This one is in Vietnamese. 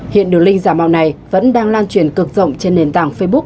hiện đường link giảm màu này vẫn đang lan truyền cực rộng trên nền tảng facebook